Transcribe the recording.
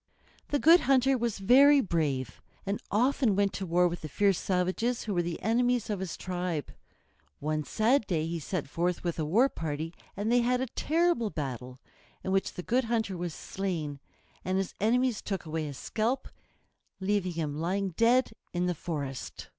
The Good Hunter was very brave, and often went to war with the fierce savages who were the enemies of his tribe. One sad day he set forth with a war party, and they had a terrible battle, in which the Good Hunter was slain, and his enemies took away his scalp, leaving him lying dead in the forest.